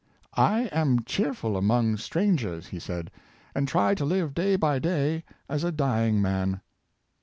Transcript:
"I am cheerful among strang ers,^' he said, " and try to live day by day as a dying man."